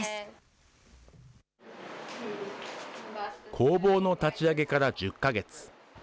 工房の立ち上げから１０か月。